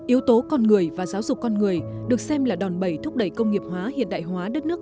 yếu tố con người và giáo dục con người được xem là đòn bẩy thúc đẩy công nghiệp hóa hiện đại hóa đất nước